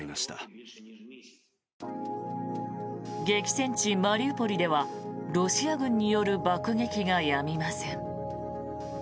激戦地マリウポリではロシア軍による爆撃がやみません。